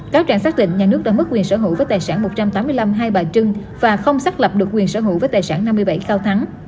cáo trạng xác định nhà nước đã mất quyền sở hữu với tài sản một trăm tám mươi năm hai bà trưng và không xác lập được quyền sở hữu với tài sản năm mươi bảy cao thắng